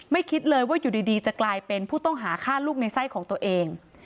คิดเลยว่าอยู่ดีจะกลายเป็นผู้ต้องหาฆ่าลูกในไส้ของตัวเอง